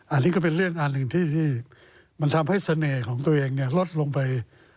อันนี้ก็เป็นเรื่องอันหนึ่งที่มันทำให้เสน่ห์ของตัวเองลดลงไป